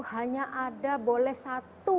hanya ada boleh satu